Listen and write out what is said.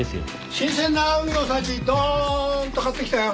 新鮮な海の幸どんと買ってきたよ。